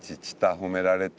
褒められて」